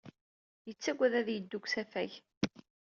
Yettagad ad yeddu deg usafag.